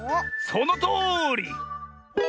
そのとおり！